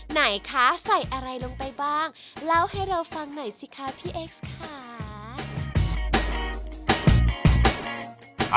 ไหนคะใส่อะไรลงไปบ้างเล่าให้เราฟังหน่อยสิคะพี่เอ็กซ์ค่ะ